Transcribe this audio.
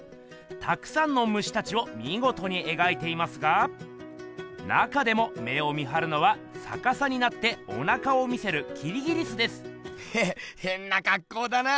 たくさんのムシたちをみごとに描いていますが中でも目を見はるのはさかさになっておなかを見せるきりぎりすです。へへっへんなかっこうだな。